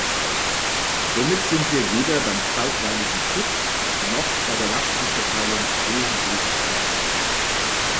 Somit sind wir weder beim zeitweiligen Schutz noch bei der Lastenverteilung wesentlich weitergekommen.